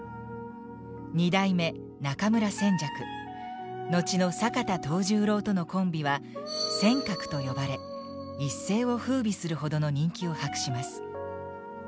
二代目中村扇雀後の坂田藤十郎とのコンビは「扇鶴」と呼ばれ一世を風靡するほどの人気を博します。